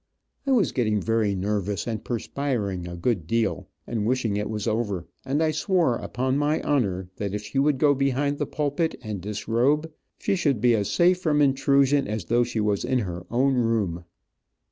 I was getting very nervous, and perspiring a good deal, and wishing it was over, and I swore, upon my honor, that if she would go behind the pulpit and disrobe, she should be as safe from intrusion as though she was in her own room.